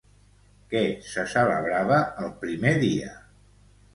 Què se celebrava el primer dia?